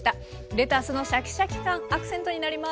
レタスのシャキシャキ感アクセントになります。